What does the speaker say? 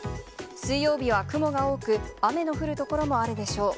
水曜日は雲が多く、雨の降る所もあるでしょう。